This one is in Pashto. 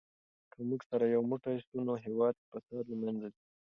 که موږ سره یو موټی سو نو هېواد کې فساد له منځه ځي.